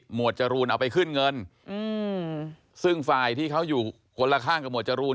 วดจรูนเอาไปขึ้นเงินอืมซึ่งฝ่ายที่เขาอยู่คนละข้างกับหมวดจรูน